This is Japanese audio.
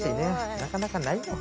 なかなかないよ。